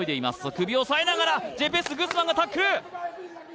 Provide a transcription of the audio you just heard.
首をおさえながらジェペスグスマンがタックル